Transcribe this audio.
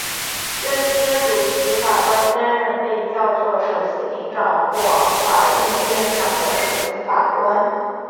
这些主席法官担任被叫作首席庭长或法院院长的首席法官。